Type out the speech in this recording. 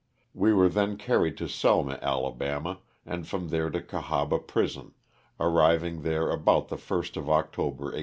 We were then carried to Selma, Ala., and from there to Cahaba prison, arriving there about the first of October, 1864.